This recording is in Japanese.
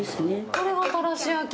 これが、たらし焼き。